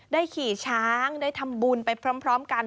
ขี่ช้างได้ทำบุญไปพร้อมกัน